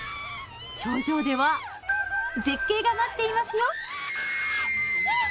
頂上では絶景が待っていますよキャー！